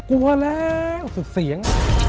กลัวแล้วสุดเสียง